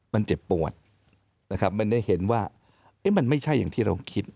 มันเจ็บปวดนะครับมันได้เห็นว่ามันไม่ใช่อย่างที่เราคิด